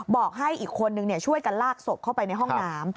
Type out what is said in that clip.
บอกให้อีกคนนึงช่วยกันลากศพเข้าไปในห้องน้ำ